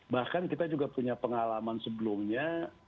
bahkan kita juga punya pengalaman sebelumnya